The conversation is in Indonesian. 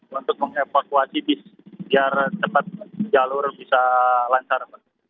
untuk mengevakuasi biar tempat jalur bisa lancar